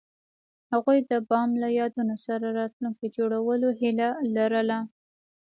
هغوی د بام له یادونو سره راتلونکی جوړولو هیله لرله.